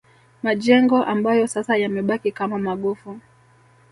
Majengo ambayo sasa yamebaki kama magofu